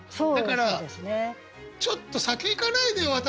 だからちょっと先行かないでよ